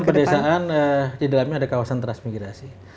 kawasan perdesaan di dalamnya ada kawasan transmigrasi